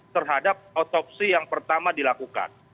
terhadap otopsi yang pertama dilakukan